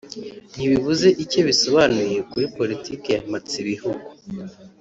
ntibibuze icyo bisobanuye kuri politiki ya za Mpatsibihugu